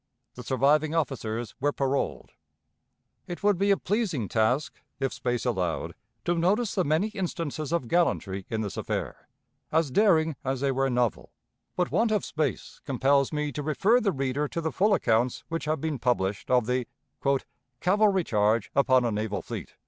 The surviving officers were paroled. It would be a pleasing task, if space allowed, to notice the many instances of gallantry in this affair, as daring as they were novel, but want of space compels me to refer the reader to the full accounts which have been published of the "cavalry charge upon a naval fleet."